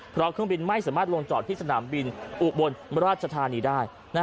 เพราะเครื่องบินไม่สามารถลงจอดที่สนามบินอุบลราชธานีได้